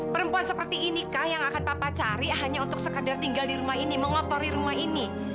perempuan seperti ini kah yang akan papa cari hanya untuk sekadar tinggal di rumah ini mengotori rumah ini